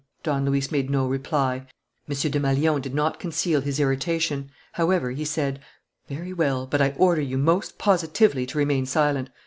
Don Luis made no reply. M. Desmalions did not conceal his irritation. However, he said: "Very well; but I order you most positively to remain silent.